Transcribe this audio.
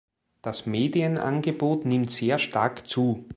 Das Medienangebot nimmt sehr stark zu.